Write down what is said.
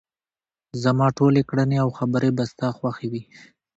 زما ټولې کړنې او خبرې به ستا خوښې وي.